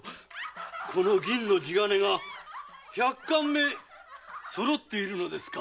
この銀の地金が百貫目揃っているのですか。